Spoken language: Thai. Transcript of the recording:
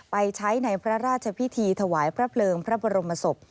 ไปใช้ในพระราชพิธีถวายพระเพลิงพระบรมศพ